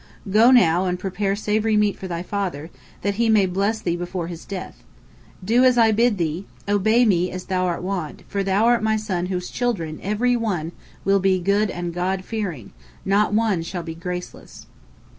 Go now and prepare savory meat for thy father, that he may bless thee before his death. Do as I bid thee, obey me as thou art wont, for thou art my son whose children, every one, will be good and God fearing—not one shall be graceless."